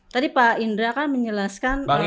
tadi pak indra kan menjelaskan